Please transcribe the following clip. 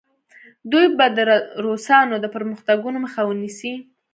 دوی به د روسانو د پرمختګونو مخه ونیسي.